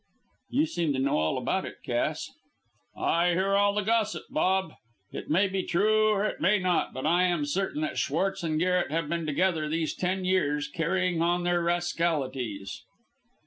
"You seem to know all about it, Cass!" "I hear all the gossip, Bob. It may be true or it may not, but I am certain that Schwartz and Garret have been together these ten years carrying on their rascalities."